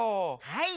はい。